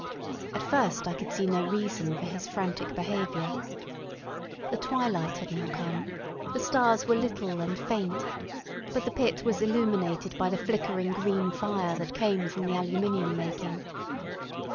At first I could see no reason for his frantic behaviour. The twilight had now come, the stars were little and faint, but the pit was illuminated by the flickering green fire that came from the aluminium making.